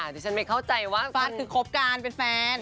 ที่ฉันไม่เข้าใจว่าคุณฟาดคือครบการเป็นแฟน